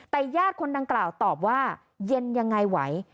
แต่ญาติคนดังกล่าวตอบว่าเย็นยังไงไหว